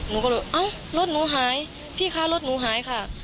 หนูก็เลยเอ้ารถหนูหายพี่คะรถหนูหายค่ะ